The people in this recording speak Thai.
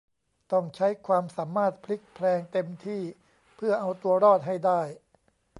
ต้องใช้ความสามารถพลิกแพลงเต็มที่เพื่อเอาตัวรอดให้ได้